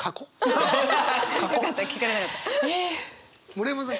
村山さん